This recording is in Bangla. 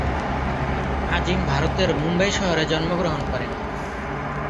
আজিম ভারতের মুম্বাই শহরে জন্মগ্রহণ করেন।